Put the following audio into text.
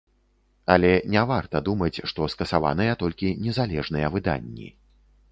Але не варта думаць, што скасаваныя толькі незалежныя выданні.